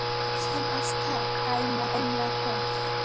সামান্য আস্থা কায়েম রাখো।